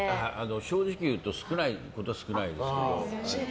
正直言うと少ないことは少ないですけど。